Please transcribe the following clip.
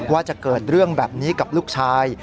ว่าจะเกิดเรื่องแบบนี้กับลูกชาย